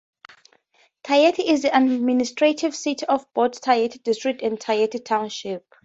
Thayet is the administrative seat of both Thayet District and Thayet Township.